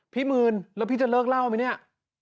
มืนแล้วพี่จะเลิกเล่าไหมเนี่ย